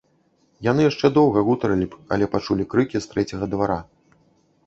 Яны яшчэ доўга гутарылі б, але пачулі крыкі з трэцяга двара.